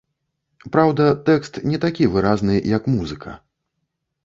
Праўда, тэкст не такі выразны, як музыка.